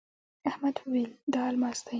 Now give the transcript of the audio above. احمد وويل: دا الماس دی.